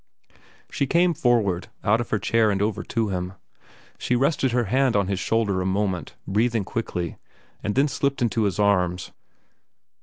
She came forward, out of her chair and over to him. She rested her hand on his shoulder a moment, breathing quickly, and then slipped into his arms.